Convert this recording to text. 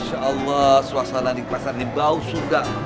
masya allah suasana di pasar ini bau surga